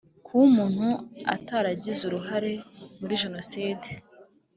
Kuba umuntu ataragize uruhare muri jenoside